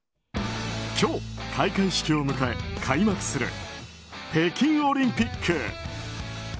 今日、開会式を迎え開幕する北京オリンピック。